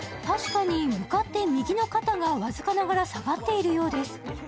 確かに、向かって右の肩が僅かながら下がっているようです。